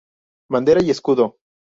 Bandera y escudo.